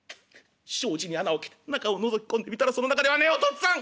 障子に穴を開けて中をのぞき込んでみたらその中ではねお父っつぁん！」。